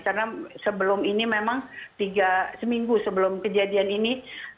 karena sebelum ini memang seminggu sebelum kejadian ini